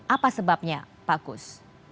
apa sebabnya pak kus